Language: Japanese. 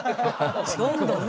どんどんね